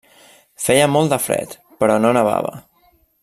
Feia molt de fred, però no nevava.